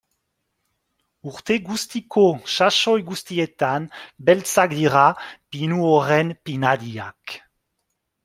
Urte guztiko sasoi guztietan beltzak dira pinu horren pinadiak.